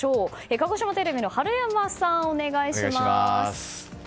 鹿児島テレビの春山さん、お願いします。